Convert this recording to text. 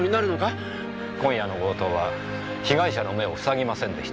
今夜の強盗は被害者の目をふさぎませんでした。